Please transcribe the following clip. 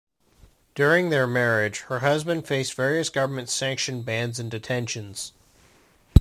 During their marriage, her husband faced various government-sanctioned bans and detentions.